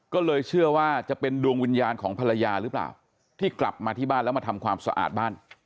ก็เลยเชื่อว่าจะเป็นดวงวิญญาณของภรรยาหรือเปล่าที่กลับมาที่บ้านแล้วมาทำความสะอาดบ้าน